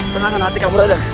tenangkan hati kamu rai